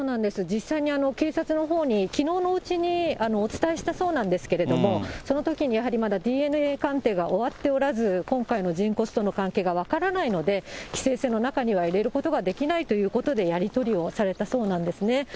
実際に警察のほうに、きのうのうちにお伝えしたそうなんですけれども、そのときにやはり、まだＤＮＡ鑑定が終わっておらず、今回の人骨との関係が分からないので、規制線の中には入れることができないということで、やり取りをされたそうなんですね。